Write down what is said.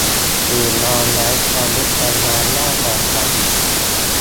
ตื่นนอนแล้ว ควรลุกไปล้างหน้าแปรงฟัน